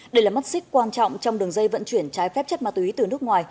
đây là mắt xích quan trọng trong đường dây vận chuyển trái phép chất ma túy từ nước ngoài